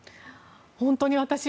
本当に私